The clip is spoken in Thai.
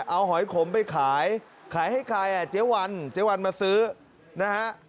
เอาหอยขมไปขายขายให้ใครอ่ะเจ๊วันเจ๊วันมาซื้อนะฮะ